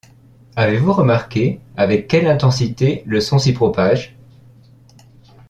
Avez-vous remarqué avec quelle intensité le son s’y propage ?